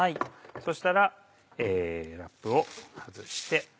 そしたらラップを外して。